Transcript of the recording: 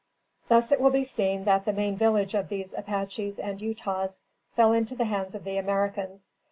Thus it will be seen that the main village of these Apaches and Utahs fell into the hands of the Americans.